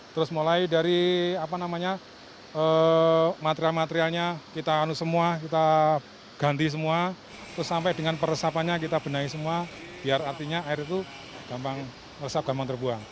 terus mulai dari apa namanya material materialnya kita anu semua kita ganti semua terus sampai dengan peresapannya kita benahi semua biar artinya air itu gampang resap gampang terbuang